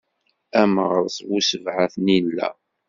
A Meɣres bu sebɛa tnila.